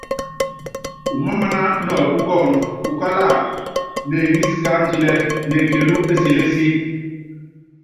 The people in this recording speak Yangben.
Umááma nɔɔpú kɔ́ɔ́ndú, ukála neŋísi káandilɛ́ nekelú eselési.